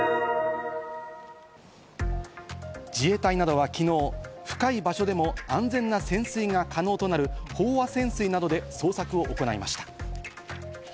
自衛隊などは昨日、深い場所でも安全な潜水が可能となる、飽和潜水などで捜索を行いました。